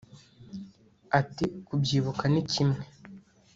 Ati “Kubyibuka ni kimwe